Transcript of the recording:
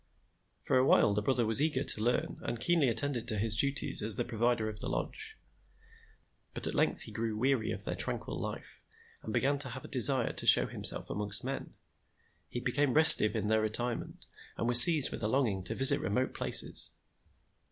For a while the brother was eager to learn and keenly attended to his duties as the provider of the lodge; but at length he grew weary of their tranquil life and began to have a desire to show himself among men. He became restive in their retirement and was seized with a longing to visit remote places.